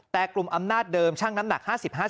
แต่กลุ่มอำนาจเดิมช่างน้ำหนัก๕๐๕๐